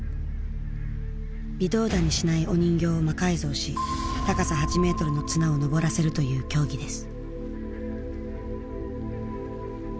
微動だにしないお人形を魔改造し高さ８メートルの綱を登らせるという競技です。